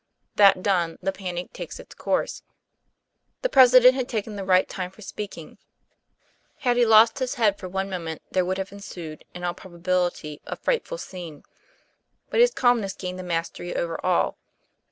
That done, the panic takes its course. The president had taken the right time for speak ing. Had he lost his head for one moment, there would have ensued, in all probability, a frightful scene. But his calmness gained the mastery overall.